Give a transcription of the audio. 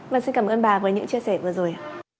vâng xin cảm ơn bà với những chia sẻ vừa rồi